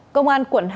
công an quận hai